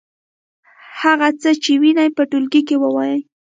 هغه څه چې وینئ په ټولګي کې ووایئ.